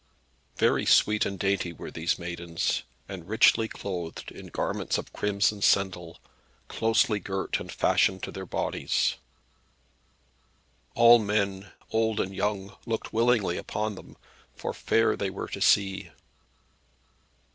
Very sweet and dainty were these maidens, and richly clothed in garments of crimson sendal, closely girt and fashioned to their bodies. All men, old and young, looked willingly upon them, for fair they were to see.